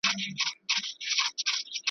پابندۍ دي لګېدلي د ګودر پر دیدنونو .